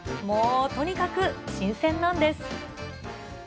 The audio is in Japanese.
もうとにかく新鮮なんです。